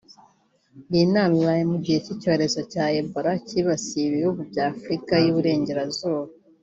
Iyi nama ibaye mu gihe icyorezo cya Ebola kibasiye ibihugu bya Afurika y’i Burengerazuba